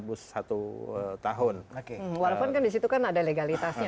walaupun kan disitu kan ada legalitasnya